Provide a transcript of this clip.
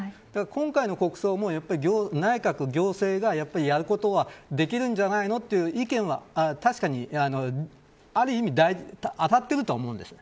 今回の国葬も、内閣行政がやることはできるんじゃないのという意見は確かに、ある意味当たっているとは思うんです。